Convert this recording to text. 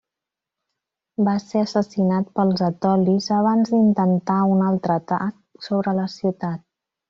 El va ser assassinat pels etolis abans d'intentar un altre atac sobre la ciutat.